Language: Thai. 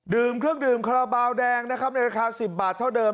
เครื่องดื่มคาราบาลแดงนะครับในราคา๑๐บาทเท่าเดิม